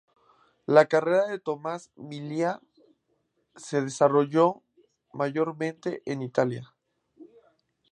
La carrera de Tomás Milian se desarrolló mayormente en Italia.